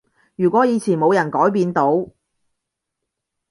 如果以前冇人改變到